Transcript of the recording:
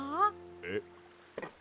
えっ？